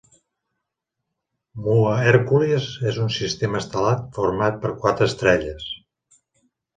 Mu Herculis és un sistema estel·lar format per quatre estrelles.